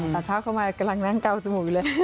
ตัดภาพเข้ามากำลังนั่งเกาจมูกอยู่เลย